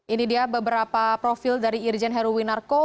ini dia beberapa profil dari irjen heruwinarko